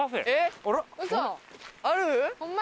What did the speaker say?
ある？